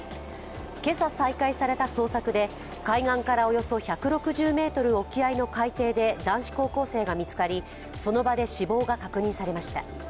今朝再開された捜索で海岸からおよそ１６０ｍ沖合の海底で男子高校生が見つかり、その場で死亡が確認されました。